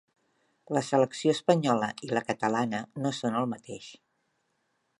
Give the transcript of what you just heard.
La selecció espanyola i la catalana no són el mateix.